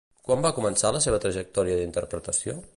Quan va començar la seva trajectòria d'interpretació?